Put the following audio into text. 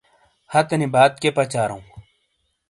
ہاتینی بات کئیے پچاراوں ؟